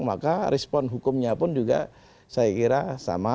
maka respon hukumnya pun juga saya kira sama